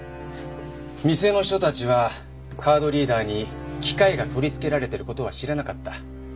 店の人たちはカードリーダーに機械が取り付けられている事は知らなかった。